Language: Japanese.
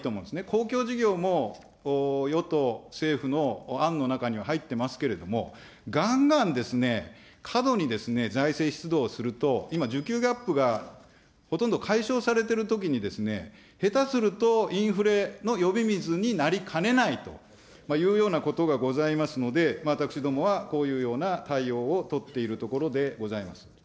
公共事業も与党・政府の案の中には入ってますけれども、がんがんですね、過度にですね、財政出動すると、今、需給ギャップがほとんど解消されているときに、下手すると、インフレの呼び水になりかねないというようなことがございますので、私どもはこういうような対応を取っているところでございます。